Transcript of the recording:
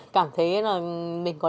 cảm thấy là mình có lỗi vì bố mẹ nhiều ạ